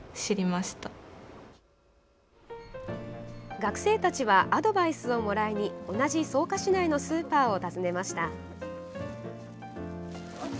学生たちはアドバイスをもらいに同じ草加市内のスーパーを訪ねました。